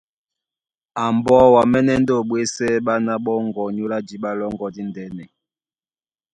A mbɔ́, wǎmɛ́nɛ́ ndé o ɓwésɛ́ ɓána ɓɔ́ŋgɔ̄ ónyólá jǐɓa lɔ́ŋgɔ̄ díndɛ́nɛ.